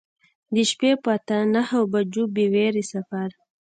د شپې په اته نهه بجو بې ویرې سفر.